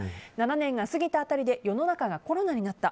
７年が過ぎた辺りで世の中がコロナになった。